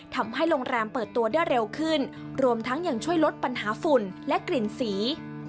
ทำให้โรงแรมเปิดตัวได้เร็วขึ้นรวมทั้งยังช่วยลดปัญหาฝุ่นและกลิ่นสี